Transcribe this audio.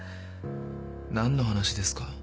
何の話ですか？